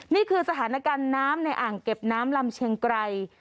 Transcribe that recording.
นี่คือสถานการณ์น้ำในอ่างเก็บน้ำลำเชียงไกร